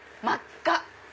真っ赤。